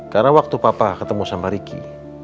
karena waktu papa ketemu sama riki